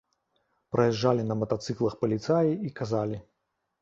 Праязджалі на матацыклах паліцаі і казалі.